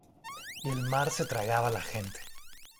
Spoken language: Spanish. y el mar se tragaba la gente.